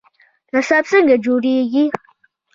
نصاب څنګه جوړیږي؟